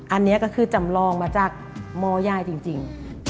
อันนี้ก็คือจำลองมาจากหม้อย่ายจริง